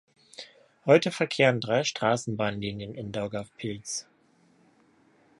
Heute verkehren drei Straßenbahnlinien in Daugavpils.